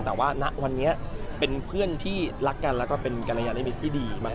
แต่ว่าณวันนี้เป็นเพื่อนที่รักกันแล้วก็เป็นกรยานิมิตรที่ดีมาก